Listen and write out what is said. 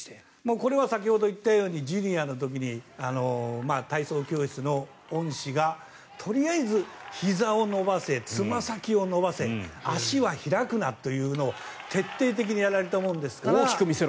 これは先ほど言ったようにジュニアの時に体操教室の恩師がとりあえずひざを伸ばせつま先を伸ばせ足は開くなというのを徹底的にやられたものですから。